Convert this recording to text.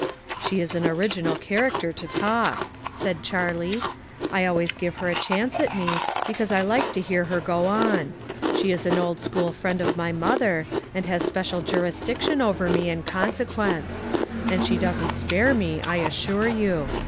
"She is an original character to talk," said Charlie. "I always give her a chance at me, because I like to hear her go on. She is an old school friend of my mother, and has special jurisdiction over me in con sequence; and she doesn't spare me, I as sure you.